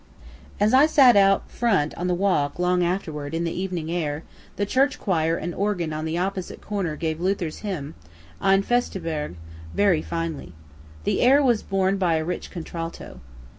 As I sat out front on the walk afterward, in the evening air, the church choir and organ on the corner opposite gave Luther's hymn, Ein feste berg, very finely. The air was borne by a rich contralto.